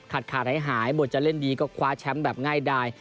ขาดขาดหายบทจะเล่นดีก็คว้าแชมป์แบบง่ายดาย